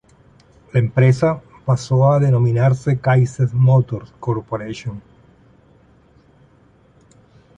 La empresa pasó a denominarse Kaiser Motors Corp.